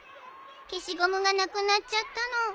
消しゴムがなくなっちゃったの。